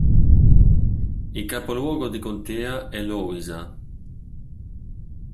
Il capoluogo di contea è Louisa.